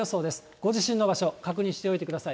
ご自身の場所、確認しておいてください。